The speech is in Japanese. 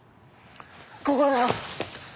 ここだよ！